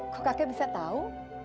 kok kakek bisa tahu